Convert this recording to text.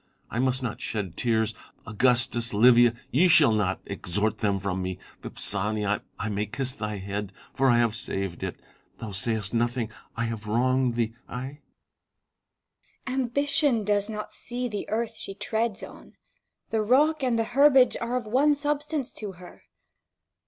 I must not shed tears. Augustus, Livia, ye shall not extort them from me. Vipsania ! I may kiss thy head — for I have saved it. Thou sayest nothing. I have wronged thee ; ay 1 Vipsania. Ambition does not see the earth she treads on ; the rock and the herbage are of one substance to her.